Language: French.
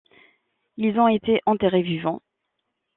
Ils ont été enterrés vivants.